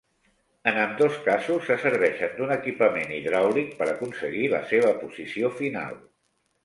En ambdós casos se serveixen d'un equipament hidràulic per aconseguir la seva posició final.